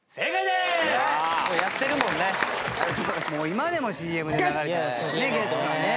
今でもＣＭで流れてますしねゲッツさんね。